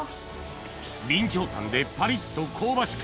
備長炭でパリっと香ばしく